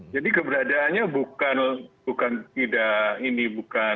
jadi keberadaannya bukan bukan tidak ini bukan